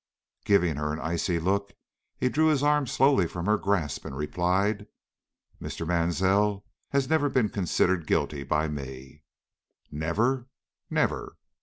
Giving her an icy look, he drew his arm slowly from her grasp and replied: "Mr. Mansell has never been considered guilty by me." "Never?" "Never."